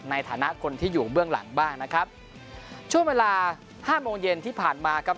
ในฐานะคนที่อยู่เบื้องหลังบ้างนะครับช่วงเวลาห้าโมงเย็นที่ผ่านมาครับ